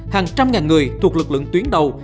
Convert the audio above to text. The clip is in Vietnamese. hàng trăm ngàn người thuộc lực lượng tuyến đầu